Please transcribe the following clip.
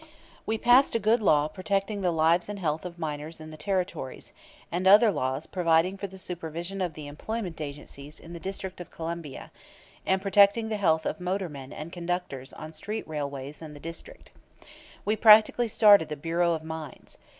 We passed a good law protecting the lives and health of miners in the Territories, and other laws providing for the supervision of employment agencies in the District of Columbia, and protecting the health of motormen and conductors on street railways in the District. We practically started the Bureau of Mines.